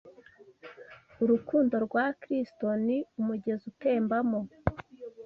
Urukundo rwa Kristo ni umugezi utembamo